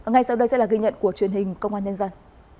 ngay sau đây sẽ là ghi nhận của truyền hình công an nhân dân